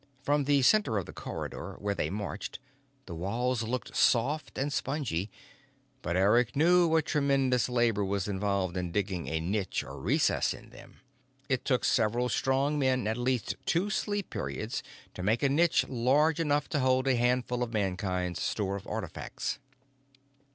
From the center of the corridor, where they marched, the walls looked soft and spongy, but Eric knew what tremendous labor was involved in digging a niche or recess in them. It took several strong men at least two sleep periods to make a niche large enough to hold a handful of Mankind's store of artifacts.